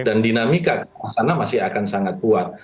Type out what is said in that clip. dan dinamika di sana masih akan sangat kuat